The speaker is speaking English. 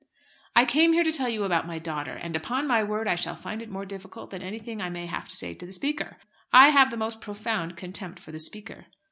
"I came here to tell you about my daughter, and upon my word I shall find it more difficult than anything I may have to say to the Speaker. I have the most profound contempt for the Speaker."